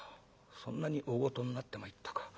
そんなに大ごとになってまいったか。